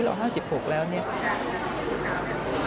ช่วงระยะครึ่งชีวิตของเราจนอายุเรา๕๖แล้ว